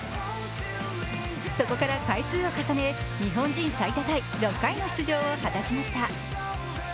そこから回数を重ね日本人最多タイ、６回の出場を果たしました。